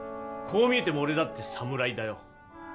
こう見えても俺だって侍だよ。